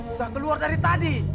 sudah keluar dari tadi